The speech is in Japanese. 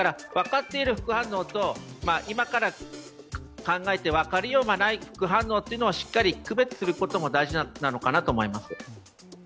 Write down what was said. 分かっている副反応と、今から考えて分かりようがない副反応をしっかり区別することが大事なのかなと思います。